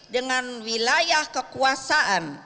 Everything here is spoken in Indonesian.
dengan wilayah kekuasaan